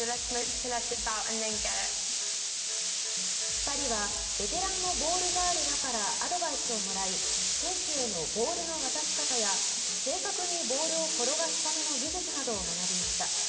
２人はベテランのボールガールらからアドバイスをもらい選手へのボールの渡し方や正確にボールを転がすための技術などを学びました。